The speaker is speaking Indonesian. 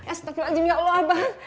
astagfirullahaladzim ya allah abang